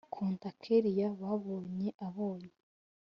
konta kellia babonye abonye